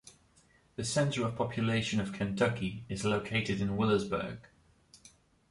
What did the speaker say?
The center of population of Kentucky is located in Willisburg.